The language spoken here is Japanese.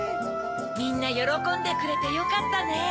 みんなよろこんでくれてよかったね！